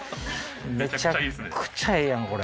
めっちゃくちゃええやん！